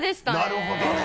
なるほどね。